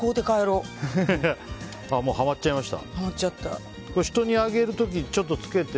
もうはまっちゃいました？